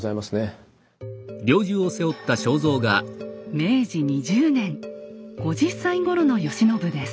明治２０年５０歳ごろの慶喜です。